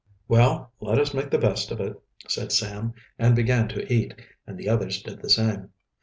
"Well, let us make the best of it," said Sam, and began to eat, and the others did the same.